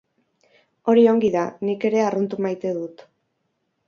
Hori ongi da, nik ere arrunt maite dut.